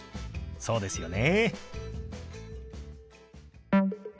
そうですよね。